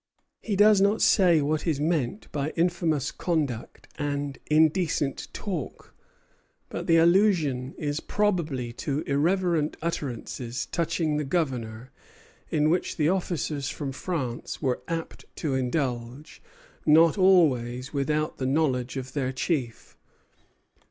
He does not say what is meant by infamous conduct and indecent talk; but the allusion is probably to irreverent utterances touching the Governor in which the officers from France were apt to indulge, not always without the knowledge of their chief.